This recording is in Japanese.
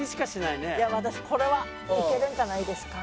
いや私これはいけるんじゃないですか。